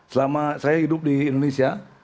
selama saya hidup di indonesia